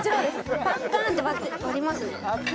パッカーンって割りますね